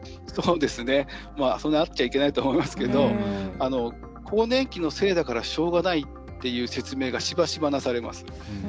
そんなあっちゃいけないとは思いますけど更年期のせいだからしょうがないっていう説明がしばしば、なされます。